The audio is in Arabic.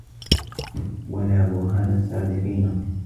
وَلَا بُرْهَانُ الصَّادِقِينَ